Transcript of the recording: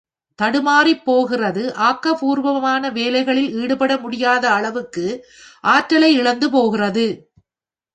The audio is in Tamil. தடுமாறிப் போகிறது ஆக்கபூர்வமான வேலைகளில் ஈடுபட முடியாத அளவுக்கு ஆற்றலை இழந்து போகிறது.